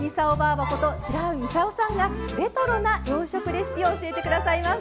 ばこと白井操さんがレトロな洋食レシピを教えて下さいます。